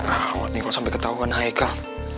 awet nih kalo sampe ketauan haikal